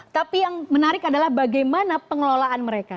tapi yang menarik adalah bagaimana pengelolaan mereka